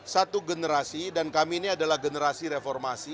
satu generasi dan kami ini adalah generasi reformasi